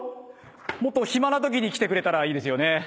もっと暇なときに来てくれたらいいですよね。